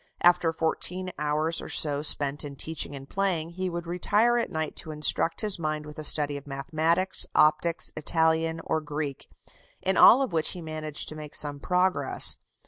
After fourteen hours or so spent in teaching and playing, he would retire at night to instruct his mind with a study of mathematics, optics, Italian, or Greek, in all of which he managed to make some progress.